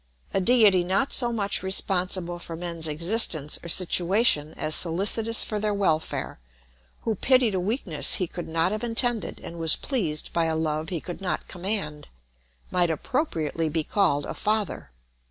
A deity not so much responsible for men's existence or situation as solicitous for their welfare, who pitied a weakness he could not have intended and was pleased by a love he could not command, might appropriately be called a father.